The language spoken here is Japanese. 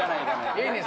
ええねん